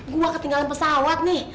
gua ketinggalan pesawat nih